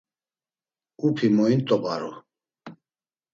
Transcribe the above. Upi moint̆obaru.